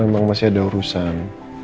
memang masih ada urusan